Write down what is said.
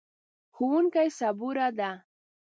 ښوونکې صبوره ده.